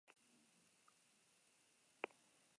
Egiten zituen filmak gai nagusia Euskal Herriko gatazka zen.